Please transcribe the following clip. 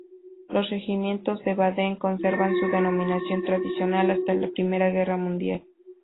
Los regimientos de Baden conservan su denominación tradicional hasta la Primera Guerra mundial.